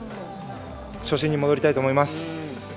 初心に戻りたいと思います。